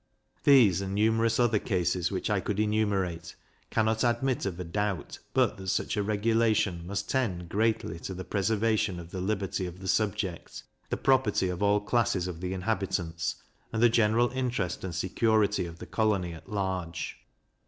These and numerous other cases which I could enumerate, cannot admit of a doubt but that such a regulation must tend greatly to the preservation of the liberty of the subject, the property of all classes of the inhabitants, and the general interest and security of the colony at large.